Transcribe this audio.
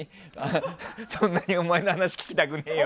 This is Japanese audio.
そんなにお前の話聞きたくねえよって。